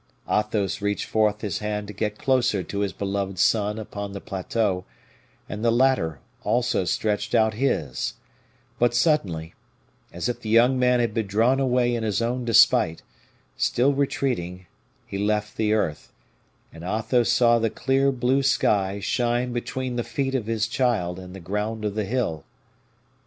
Athos reached forth his hand to get closer to his beloved son upon the plateau, and the latter also stretched out his; but suddenly, as if the young man had been drawn away in his own despite, still retreating, he left the earth, and Athos saw the clear blue sky shine between the feet of his child and the ground of the hill.